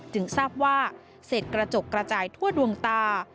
ทราบว่าเศษกระจกกระจายทั่วดวงตา